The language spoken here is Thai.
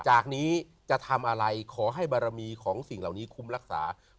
จากนี้จะทำอะไรขอให้บารมีของสิ่งเหล่านี้คุ้มรักษา